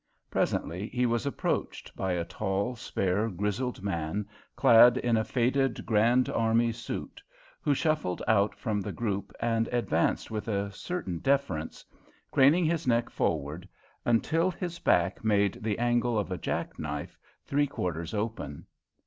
Presently he was approached by a tall, spare, grizzled man clad in a faded Grand Army suit, who shuffled out from the group and advanced with a certain deference, craning his neck forward until his back made the angle of a jack knife three quarters open.